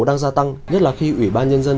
đang gia tăng nhất là khi ủy ban nhân dân